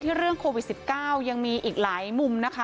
เรื่องโควิด๑๙ยังมีอีกหลายมุมนะคะ